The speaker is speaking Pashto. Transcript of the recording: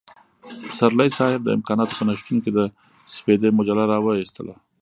پسرلی صاحب د امکاناتو په نشتون کې د سپېدې مجله را وايستله.